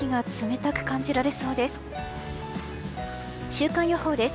週間予報です。